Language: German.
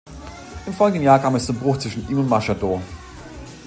Im folgenden Jahr kam es zum Bruch zwischen ihm und Maschadow.